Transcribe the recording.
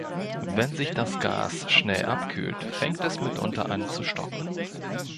Wenn sich das Gas schnell abkühlt, fängt es mitunter an zu stocken.